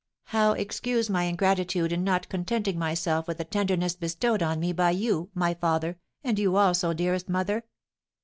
How excuse my ingratitude in not contenting myself with the tenderness bestowed on me by you, my father, and you, also, dearest mother?